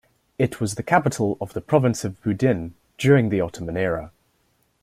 It was the capital of the province of Budin during the Ottoman era.